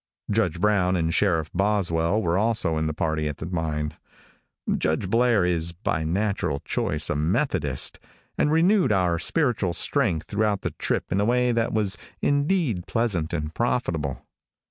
Judge Brown and Sheriff Boswell were also in the party at the mine. Judge Blair is, by natural choice, a Methodist, and renewed our spiritual strength throughout the trip in a way that was indeed pleasant and profitable.